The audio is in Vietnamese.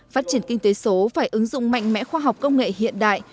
phát triển kinh tế số phải ứng dụng mạnh mẽ khoa học công nghệ hiện đại